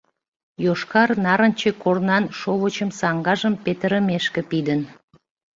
Йошкар-нарынче корнан шовычым саҥгажым петырымешке пидын.